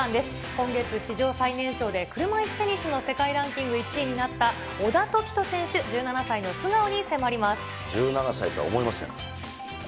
今月、史上最年少で車いすテニスの世界ランキング１位になった小田凱人１７歳とは思えません。